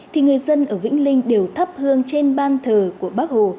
thì người dân ở vĩnh linh đều thắp hương trên ban thờ của bác hồ